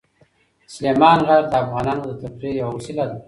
سلیمان غر د افغانانو د تفریح یوه وسیله ده.